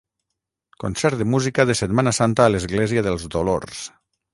Concert de música de Setmana Santa a l'església dels Dolors.